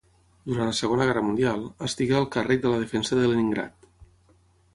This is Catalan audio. Durant la Segona Guerra Mundial, estigué al càrrec de la defensa de Leningrad.